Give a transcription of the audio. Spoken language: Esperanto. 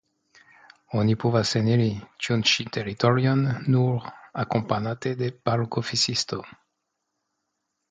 Oni povas eniri tiun ĉi teritorion nur akompanate de parkoficisto.